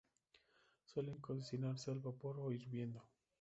Suelen cocinarse al vapor o hirviendo.